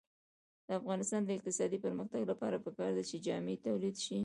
د افغانستان د اقتصادي پرمختګ لپاره پکار ده چې جامې تولید شي.